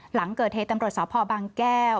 หลังเกิดเหตุตำรวจสพบางแก้ว